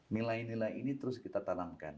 nilai nilai ini terus kita tanamkan